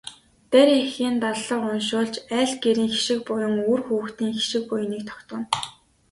Дарь эхийн даллага уншуулж айл гэрийн хишиг буян, үр хүүхдийн хишиг буяныг тогтооно.